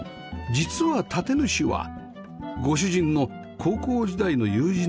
実は建主はご主人の高校時代の友人だそう